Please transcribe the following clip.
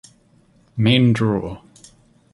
Main Draw